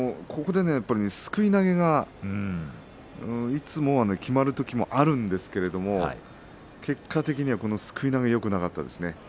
すくい投げがいつもきまるときもあるんですけれど結果的にはすくい投げがよくなかったですね。